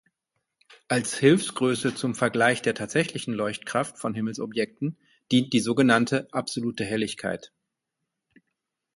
Als Hilfsgröße zum Vergleich der tatsächlichen Leuchtkraft von Himmelsobjekten dient die sogenannte absolute Helligkeit.